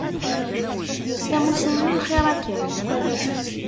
Tamussni n lxir a Ken.